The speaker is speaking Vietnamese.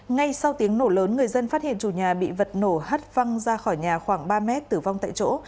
ngay sau tiếng nổ lớn người dân phát hiện chủ nhà bị vật nổ hắt văng ra khỏi nhà khoảng ba mét tử vong tại chỗ